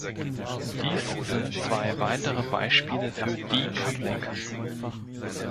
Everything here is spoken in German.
Dies sind zwei weitere Beispiele für decoupling.